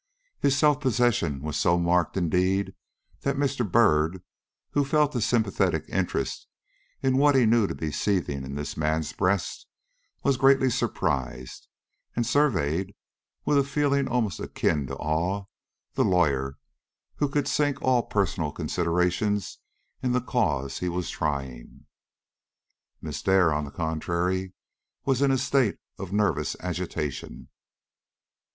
His self possession was so marked, indeed, that Mr. Byrd, who felt a sympathetic interest in what he knew to be seething in this man's breast, was greatly surprised, and surveyed, with a feeling almost akin to awe, the lawyer who could so sink all personal considerations in the cause he was trying. Miss Dare, on the contrary, was in a state of nervous agitation.